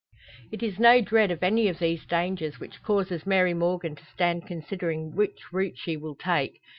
It is no dread of any of these dangers which causes Mary Morgan to stand considering which route she will take.